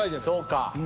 そうか。